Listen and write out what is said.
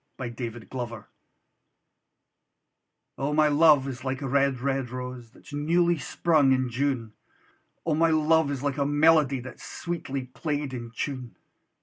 Y Z A Red, Red Rose O MY Luve's like a red, red rose That's newly sprung in June: O my Luve's like the melodie That's sweetly play'd in tune!